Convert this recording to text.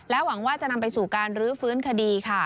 หวังว่าจะนำไปสู่การรื้อฟื้นคดีค่ะ